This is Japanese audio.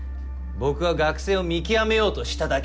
僕は学生を見極めようとしただけで。